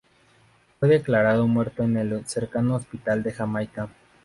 Fue declarado muerto en el cercano Hospital de Jamaica.